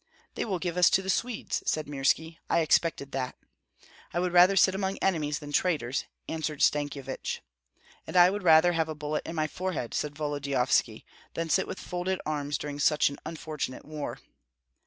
"They will give us to the Swedes," said Mirski; "I expected that." "I would rather sit among enemies than traitors," answered Stankyevich. "And I would rather have a bullet in my forehead," said Volodyovski, "than sit with folded arms during such an unfortunate war."